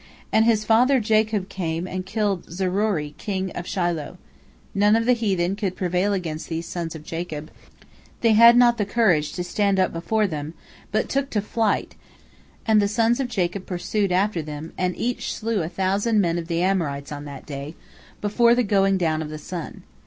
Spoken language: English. And his father Jacob came and killed Zerori king of Shiloh. None of the heathen could prevail against these sons of Jacob, they had not the courage to stand up before them, but took to flight, and the sons of Jacob pursued after them, and each slew a thousand men of the Amorites on that day, before the going down of the sun.